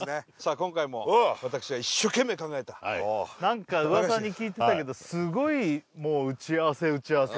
今回も私が一生懸命考えた何か噂に聞いてたけどすごいもう打ち合わせ打ち合わせ